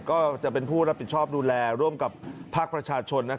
ก็จะเป็นผู้รับผิดชอบดูแลร่วมกับภาคประชาชน